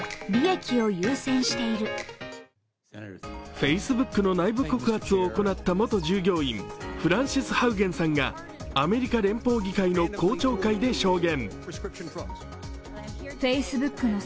フェイスブックの内部告発を行った元従業員フランシス・ハウゲンさんが、アメリカ連邦議会の公聴会で証言。